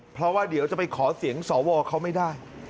เพราะว่าเดี๋ยวจะไปขอเสียงสวเขาไม่ได้